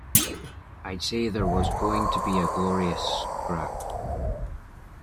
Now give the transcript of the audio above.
I'd say there was going to be a glorious scrap.